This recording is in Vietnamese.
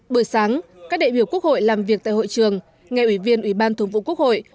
bữa sáng các đại biểu quốc hội làm việc tại hội trường ngay ủy viên ủy ban thống vụ quốc hội